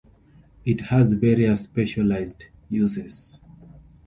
It has various specialized uses.